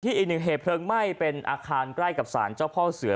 อีกหนึ่งเหตุเพลิงไหม้เป็นอาคารใกล้กับสารเจ้าพ่อเสือ